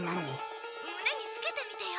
胸につけてみてよ。